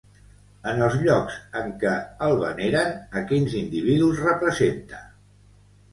En els llocs en què el veneren, a quins individus representa?